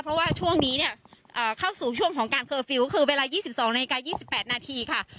เพราะว่าช่วงนี้เนี้ยเอ่อเข้าสู่ช่วงของการคือเวลายี่สิบสองนาฬิกายี่สิบแปดนาทีค่ะ